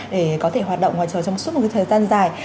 để có thể hoạt động ngoài trời trong suốt một thời gian dài